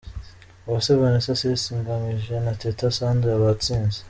Uwase Vanessa, Sisi Ngamije na Teta Sandra batsinze.